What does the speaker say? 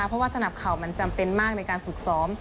เพราะว่าสนับเข่ามันจำเป็นมากในการฝึกซ้อม